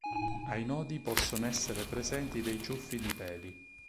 Ai nodi possono essere presenti dei ciuffi di peli.